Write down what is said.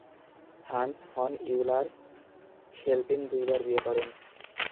Hans von Euler Chelpin দুইবার বিয়ে করেন।